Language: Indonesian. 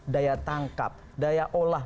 daya tangkap daya olah